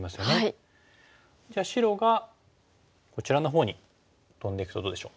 じゃあ白がこちらのほうにトンでいくとどうでしょう？